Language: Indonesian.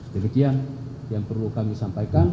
demikian yang perlu kami sampaikan